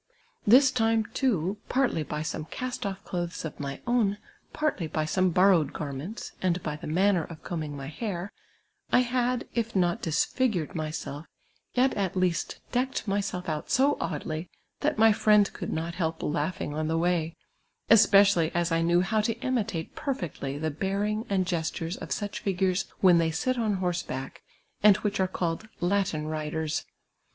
This time, too, partly by some cast off clothes of my own, partly by some borrowctl g;u*ments and by the manner of combing my hair, I had, if not disfigured myself, yet at least decked myself out so oddly, that my friend could not help laughing on the way, especially as I Imew how to imitate per fectly the bearing and gestures of such figures when they sit on horseback, and which are called " Latin riders."